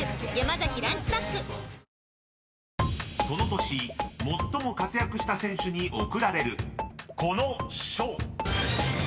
［その年最も活躍した選手に贈られるこの賞］